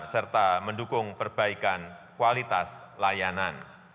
serta mendukung perbaikan kualitas layanan